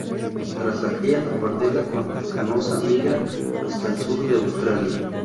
Tras la cría la pardela canosa migra hasta el sur de Australia.